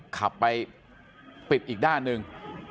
ขับไปปิดอีกด้านหนึ่ง